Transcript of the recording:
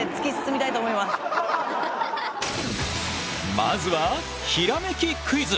まずはひらめきクイズ。